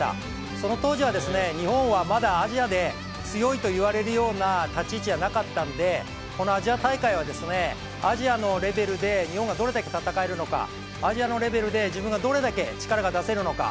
その当時は、日本はまだアジアで強いと言われるような立ち位置じゃなかったのでこのアジア大会はアジアのレベルで日本がどれだけ戦えるのかアジアのレベルで自分がどれだけ力が出せるのか。